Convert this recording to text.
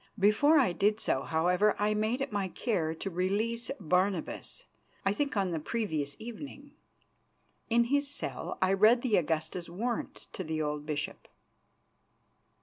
Before I did so, however, I made it my care to release Barnabas, I think on the previous evening. In his cell I read the Augusta's warrant to the old bishop.